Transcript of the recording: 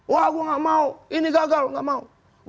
wah gue gak mau ini gagal gak mau